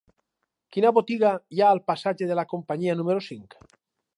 Quina botiga hi ha al passatge de la Companyia número cinc?